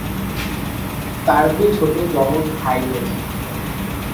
তার দুই ছোট যমজ ভাই রয়েছে।